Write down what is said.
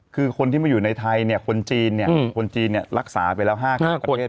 คือคนที่มาอยู่ในไทยเนี่ยคนจีนคนจีนรักษาไปแล้ว๕ประเทศ